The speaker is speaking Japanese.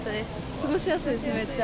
過ごしやすいです、めっちゃ。